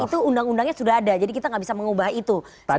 itu undang undangnya sudah ada jadi kita nggak bisa mengubah itu